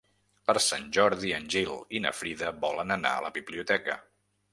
Per Sant Jordi en Gil i na Frida volen anar a la biblioteca.